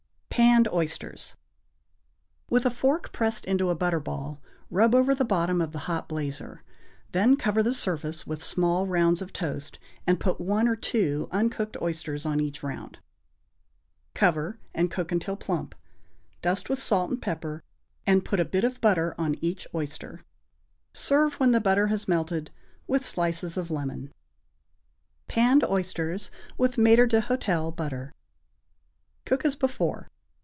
=Panned Oysters.= With a fork pressed into a butter ball, rub over the bottom of the hot blazer. Then cover the surface with small rounds of toast, and put one or two uncooked oysters on each round; cover, and cook until plump, dust with salt and pepper, and put a bit of butter on each oyster. Serve, when the butter has melted, with slices of lemon. =Panned Oysters with Maître d'Hôtel Butter.= Cook as before.